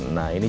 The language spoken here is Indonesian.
nah ini juga